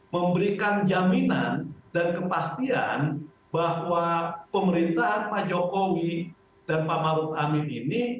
memberikan jaminan dan kepastian bahwa pemerintahan pak jokowi dan pak maruf amin ini